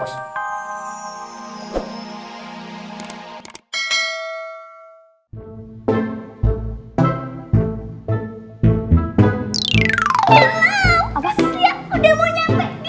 udah mau nyampe